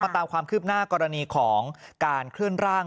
ตามความคืบหน้ากรณีของการเคลื่อนร่าง